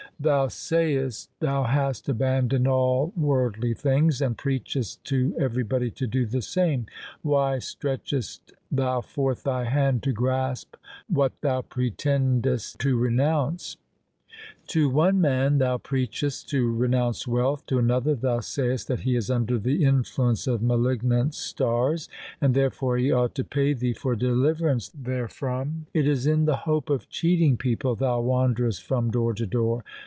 Thou sayest thou hast abandoned all worldly things and preachest to everybody to do the same. Why stretchest thou forth thy hand to grasp what thou pretendest to renounce ? To one man thou preachest to renounce wealth, to another thou sayest that he is under the influence of malignant stars, and therefore he ought to pay thee for deliverance therefrom. It is in the hope of cheating people thou wanderest from door to door.